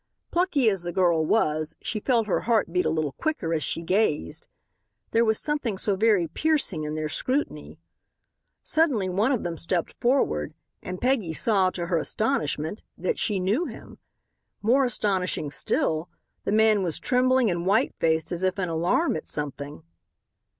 Plucky as the girl was, she felt her heart beat a little quicker as she gazed. There was something so very piercing in their scrutiny. Suddenly one of them stepped forward, and Peggy saw, to her astonishment, that she knew him. More astonishing still, the man was trembling and whitefaced as if in alarm at something.